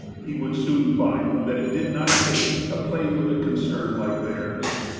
He would soon find that it did not pay to play with a con cern like theirs.